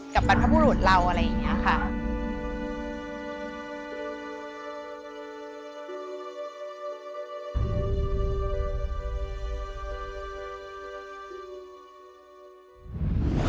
บรรพบุรุษเราอะไรอย่างนี้ค่ะ